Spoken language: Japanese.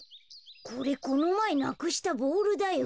これこのまえなくしたボールだよ。